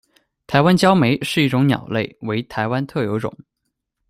台湾鹪眉是的一种鸟类，为台湾特有种。